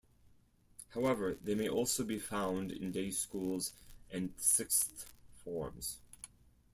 However, they may also be found in day schools and sixth forms.